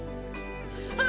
ああ！